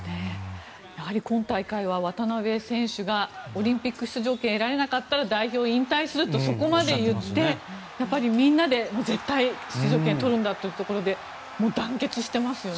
今大会は渡邊選手がオリンピック出場権を得られなかったら代表引退するとそこまで言ってみんなで絶対に出場権を取るんだというところでもう団結してますよね。